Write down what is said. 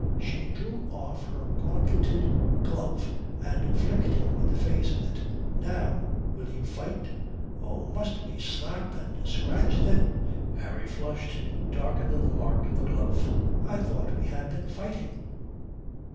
She drew off her gauntleted glove and flicked him in the face with it. "Now will you fight?" "Oh, must we slap and scratch then?" Harry flushed darker than the mark of the glove. "I thought we had been fighting."